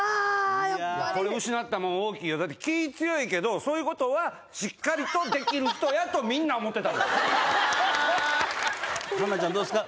やっぱりこれ失ったもん大きいよだって気い強いけどそういうことはしっかりとできる人やとみんな思ってたもん春奈ちゃんどうですか？